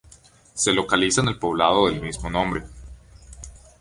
Se localiza en el poblado del mismo nombre.